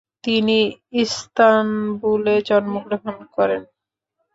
তিনি ইস্তানবুলে জন্মগ্রহণ করেন।